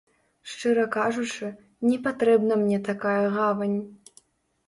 Шчыра кажучы, не патрэбна мне такая гавань.